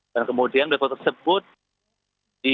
dan kemudian besok tersebut dibawa